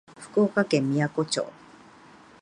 福岡県みやこ町